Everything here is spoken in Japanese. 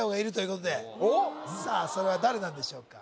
それは誰なんでしょうか？